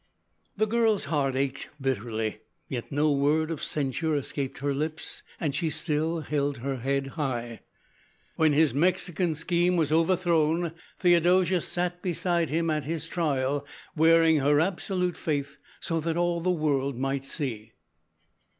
The girl's heart ached bitterly, yet no word of censure escaped her lips, and she still held her head high. When his Mexican scheme was overthrown, Theodosia sat beside him at his trial, wearing her absolute faith, so that all the world might see.